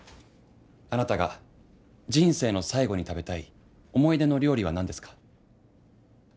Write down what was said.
「あなたが人生の最後に食べたい思い出の料理は何ですか？」。